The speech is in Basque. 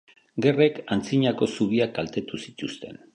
Gerrek antzinako zubiak kaltetu zituzten.